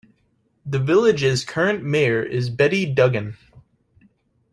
The village's current mayor is Betty Duggan.